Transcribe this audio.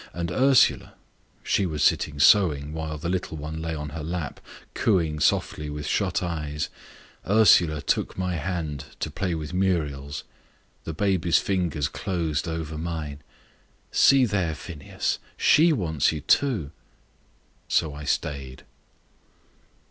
And Ursula she was sitting sewing, while the little one lay on her lap, cooing softly with shut eyes Ursula took my hand to play with Muriel's. The baby fingers closed over mine "See there, Phineas; SHE wants you too." So I stayed.